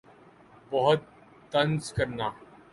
بَہُت طنز کرنا